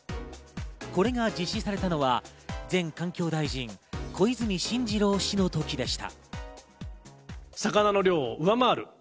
これが実施されたのは前環境大臣・小泉進次郎氏の時でした。